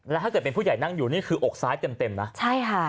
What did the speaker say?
แล้วถ้าเกิดเป็นผู้ใหญ่นั่งอยู่นี่คืออกซ้ายเต็มเต็มนะใช่ค่ะ